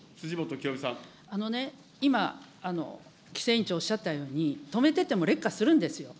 あのね、今、規制委員長おっしゃったように、止めてても劣化するんですよ。